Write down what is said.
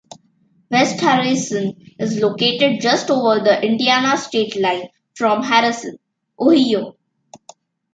West Harrison is located just over the Indiana state line from Harrison, Ohio.